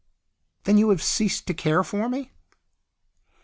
" Then you have ceased to care for me."